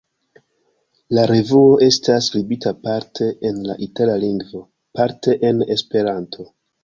La revuo estas skribita parte en la Itala lingvo, parte en Esperanto.